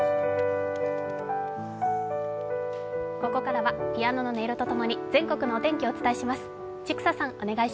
ここからはピアノの音色と共に全国のお天気をお伝えします。